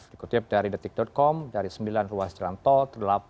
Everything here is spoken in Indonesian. dikutip dari detik com dari sembilan ruas jalan tol